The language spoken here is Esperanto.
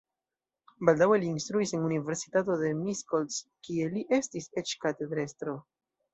Baldaŭe li instruis en universitato de Miskolc, kie li estis eĉ katedrestro.